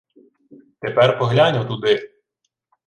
— Тепер поглянь отуди!